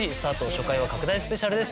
初回は拡大スペシャルです。